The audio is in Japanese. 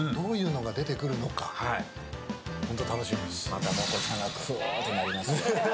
また、もこちゃんがくーってなりますよ。